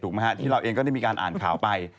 ถูกไหมฮะที่เราเองก็ได้มีการอ่านข่าวไป